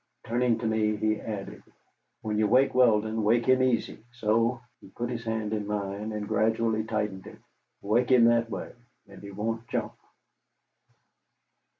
Turning to me, he added: "When you wake Weldon, wake him easy. So." He put his hand in mine, and gradually tightened it. "Wake him that way, and he won't jump."